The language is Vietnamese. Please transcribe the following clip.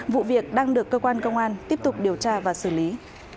vụ việc đang được cơ quan công an tiếp tục điều tra và xử lý